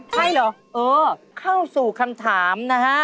ใช่เหรอเออเข้าสู่คำถามนะฮะ